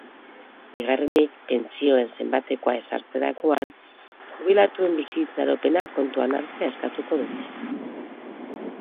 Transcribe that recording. Bigarrenik, pentsioen zenbatekoa ezartzerakoan jubilatuen bizi-itxaropena kontuan hartzea eskatuko dute.